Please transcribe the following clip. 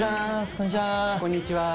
こんにちは。